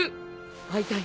会いたい？